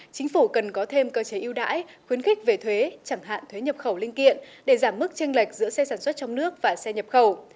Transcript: chính phủ cần có thêm cơ chế ưu đãi khuyến khích về thuế chẳng hạn thuế nhập khẩu linh kiện để giảm mức tranh lệch giữa xe sản xuất trong nước và xe nhập khẩu